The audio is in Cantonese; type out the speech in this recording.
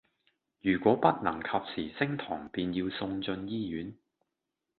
如果不能及時升糖便要送進醫院